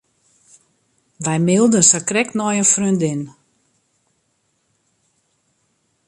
Wy mailden sakrekt nei in freondin.